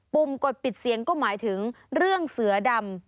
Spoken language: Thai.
ุ่มกดปิดเสียงก็หมายถึงเรื่องเสือดำ